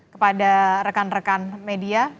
kepada rekan rekan media